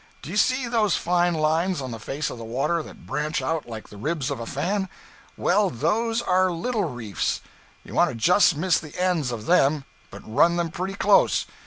Do you see those fine lines on the face of the water that branch out like the ribs of a fan. Well, those are little reefs; you want to just miss the ends of them, but run them pretty close.